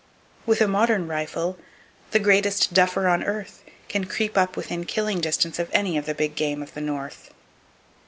With a modern rifle, the greatest duffer on earth can creep up within killing distance of any of the big game of the North.